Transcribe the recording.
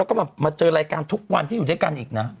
แล้วก็มาเจอรายการทุกวันที่อยู่ด้วยกันอีกนะ